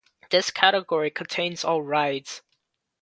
This category contains all rides.